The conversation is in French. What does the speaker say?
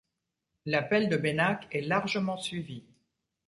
L'appel de Baynac est largement suivi.